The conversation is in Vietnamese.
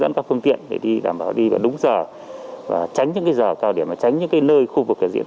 dẫn tiện để đảm bảo đi vào đúng giờ tránh những giờ cao điểm tránh những nơi khu vực có diễn